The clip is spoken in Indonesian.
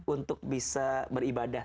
untuk bisa beribadah